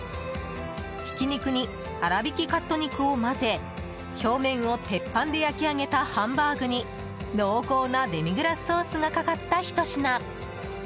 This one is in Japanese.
ひき肉に粗挽きカット肉を混ぜ表面を鉄板で焼き上げたハンバーグに濃厚なデミグラスソースがかかったひと品。